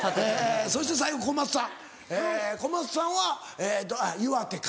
そして最後小松さん小松さんは岩手か。